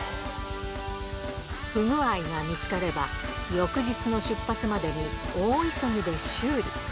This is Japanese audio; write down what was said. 不具合が見つかれば、翌日の出発までに大急ぎで修理。